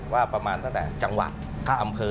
ว่าประมาณตั้งแต่จังหวัดอำเภอ